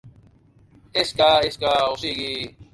És que, és que… o sigui.